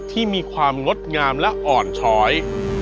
ที่มีความงดงามและอ่อนช้อย